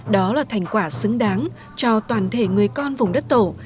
đó là thành quả xứng đáng cho toàn thể người con vùng đất tổ